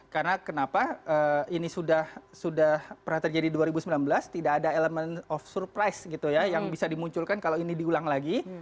karena kenapa ini sudah pernah terjadi di dua ribu sembilan belas tidak ada elemen of surprise gitu ya yang bisa dimunculkan kalau ini diulang lagi